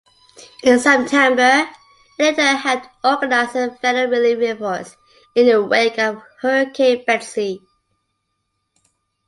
In September, Ellington helped organize federal relief efforts in the wake of Hurricane Betsy.